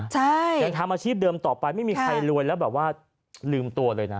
ใช่ยังทำอาชีพเดิมต่อไปไม่มีใครรวยแล้วแบบว่าลืมตัวเลยนะ